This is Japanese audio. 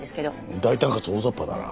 大胆かつ大ざっぱだな。